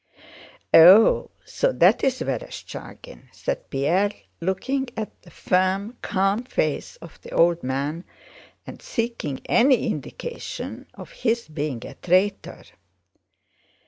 "Oh, so that is Vereshchágin!" said Pierre, looking at the firm, calm face of the old man and seeking any indication of his being a traitor.